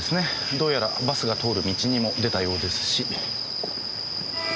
どうやらバスが通る道にも出たようですし。